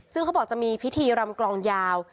ซึ่งเขาบอกจะมีพิธีรำกลองยาว